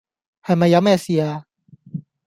係咪有咩事呀